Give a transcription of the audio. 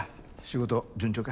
仕事順調か？